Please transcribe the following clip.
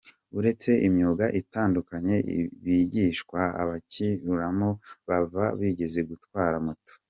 Uretse imyuga itandukanye bigishwa, abakinyuramo bose bahava bize gutwara moto.